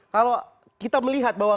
kalau kita melihat bahwa